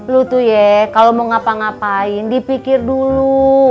lu tuh ya kalau mau ngapa ngapain dipikir dulu